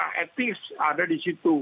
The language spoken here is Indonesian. fungsi etika ada di situ